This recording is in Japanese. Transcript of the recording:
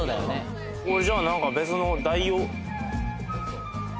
俺じゃあなんか別の代用